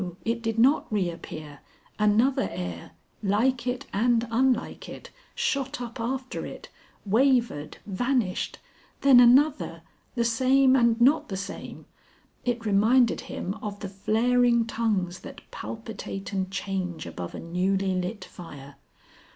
it did not reappear! Another air like it and unlike it, shot up after it, wavered, vanished. Then another, the same and not the same. It reminded him of the flaring tongues that palpitate and change above a newly lit fire.